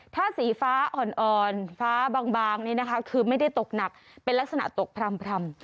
ถ้าสีฟ้าอ่อนฟ้าบางนี่นะคะคือไม่ได้ตกหนักเป็นลักษณะตกพร่ำ